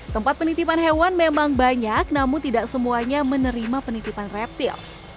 tempat penitipan hewan memang banyak namun tidak semuanya menerima penitipan reptil